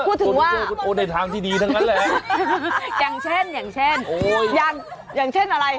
ควรโดยเทร่าช่วงในทางที่ดีทั้งนั้นแหละ